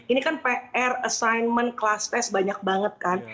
ini kan pr assignment class test banyak banget kan